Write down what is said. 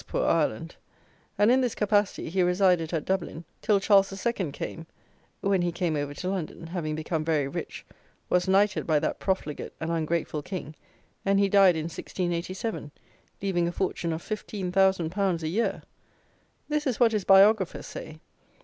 poor Ireland), and, in this capacity, he resided at Dublin till Charles II. came, when he came over to London (having become very rich), was knighted by that profligate and ungrateful King, and he died in 1687, leaving a fortune of 15,000_l._ a year! This is what his biographers say.